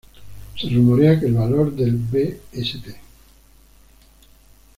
Se rumorea que el valor del B St.